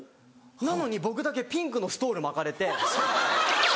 なのに僕だけピンクのストール巻かれて。